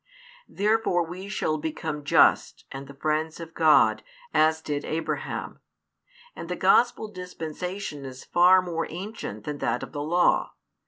Therefore we shall become just and the friends of God, as did Abraham. And the Gospel dispensation is far more ancient than that of the Law.